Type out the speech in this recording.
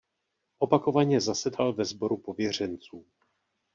Opakovaně zasedal ve Sboru pověřenců.